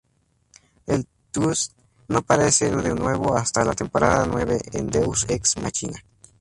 El Trust no aparece de nuevo hasta la temporada nueve, en "Deus Ex Machina".